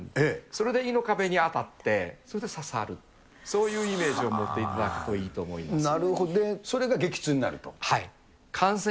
それで胃の壁に当たって、それで刺さる、そういうイメージを持っていただくといいと思いまそれが激痛になると？